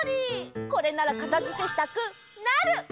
これならかたづけしたくなる！